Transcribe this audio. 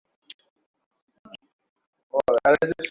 কিন্তু তার সাথে পুনরায় সংযোগ করা ছিল সবচেয়ে বড় উপহারগুলির মধ্যে একটি।